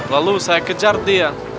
lalu saya kejar dia